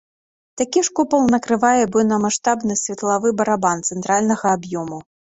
Такі ж купал накрывае буйнамаштабны светлавы барабан цэнтральнага аб'ёму.